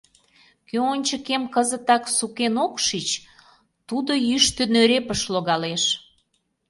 Кӧ ончыкем кызытак сукен ок шич, тудо йӱштӧ нӧрепыш логалеш.